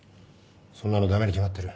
そんなの駄目に決まってる。